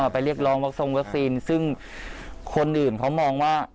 เรียกร้องวัคซงวัคซีนซึ่งคนอื่นเขามองว่า